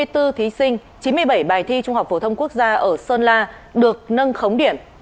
hai mươi bốn thí sinh chín mươi bảy bài thi trung học phổ thông quốc gia ở sơn la được nâng khống điểm